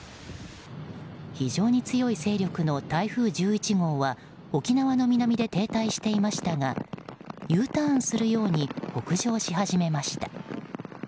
非常に強い勢力の台風１１号は沖縄の南で停滞していましたがＵターンするように北上し始めました。